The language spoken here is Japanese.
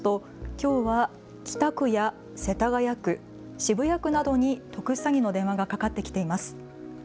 きょうは北区や世田谷区、渋谷区などに特殊詐欺の電話がかかってきています。